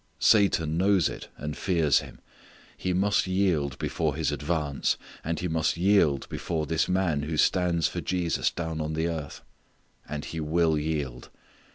Satan knows it, and fears Him. He must yield before His advance, and he must yield before this man who stands for Jesus down on the earth. And he will yield.